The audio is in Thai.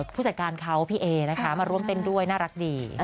ผู้จัดการเขาพี่เอนะคะมาร่วมเต้นด้วยน่ารักดี